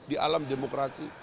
di alam demokrasi